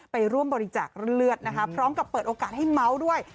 ไปร่วมบริจาคเลือดนะคะพร้อมกับเปิดโอกาสให้เมาส์ด้วย